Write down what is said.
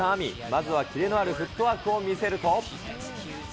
まずはキレのあるフットワークを見せると。